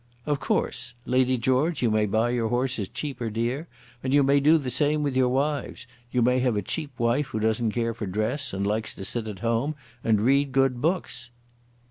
"Of course, Lady George, you may buy your horses cheap or dear, and you may do the same with your wives. You may have a cheap wife who doesn't care for dress, and likes to sit at home and read good books."